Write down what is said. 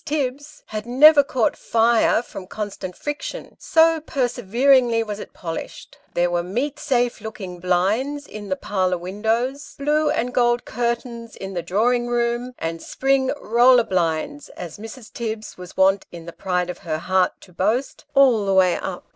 TIBBS," had never caught fire from constant friction, so perseveringly was it polished. There were meat safe looking blinds in the parlour windows, blue and gold curtains in the drawing room, and spring roller blinds, as Mrs. Tibbs was wont in the pride of her heart to boast, " all the way up."